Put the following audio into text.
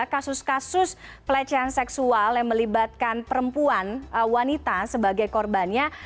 kasus kasus pelecehan seksual yang melibatkan perempuan wanita sebagai korbannya